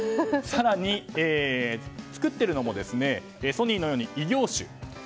更に作っているのもソニーのように異業種。